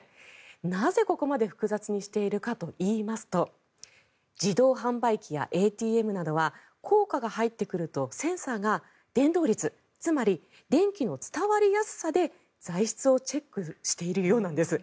なぜここまで複雑にしているかといいますと自動販売機やＡＴＭなどは硬貨が入ってくるとセンサーが伝導率つまり、電気の伝わりやすさで材質をチェックしているようなんです。